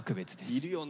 いるよね。